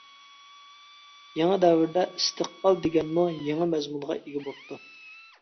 يېڭى دەۋردە ئىستىقبال دېگەنمۇ يېڭى مەزمۇنغا ئىگە بوپتۇ.